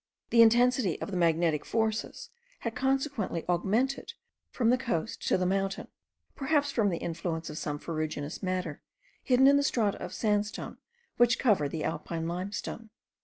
The intensity of the magnetic forces had consequently augmented from the coast to the mountain, perhaps from the influence of some ferruginous matter, hidden in the strata of sandstone which cover the Alpine limestone.